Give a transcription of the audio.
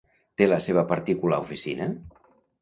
Té la seva particular oficina?